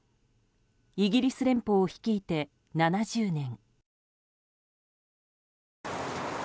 イギリス連邦を率いて７０年。